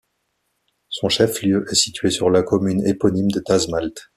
Son chef-lieu est situé sur la commune éponyme de Tazmalt.